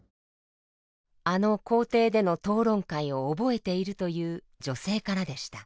あの校庭での討論会を覚えているという女性からでした。